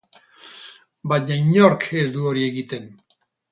Baina inork ez du hori egiten.